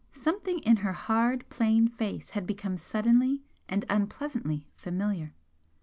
Something in her hard, plain face had become suddenly and unpleasantly familiar.